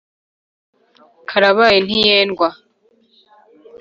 Karabaye ntiyendwa.